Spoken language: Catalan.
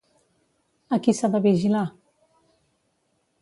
A qui s'ha de vigilar?